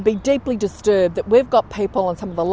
kita memiliki orang yang berkembang kecil